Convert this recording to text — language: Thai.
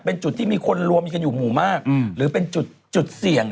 เป็นจุดที่มีคนรวมกันอยู่หมู่มากหรือเป็นจุดเสี่ยง